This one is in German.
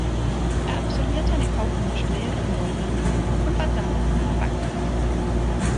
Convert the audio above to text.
Er absolvierte eine kaufmännische Lehre im Wollhandel und war dann an einer Bank tätig.